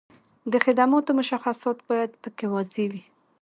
د خدماتو مشخصات باید په کې واضح وي.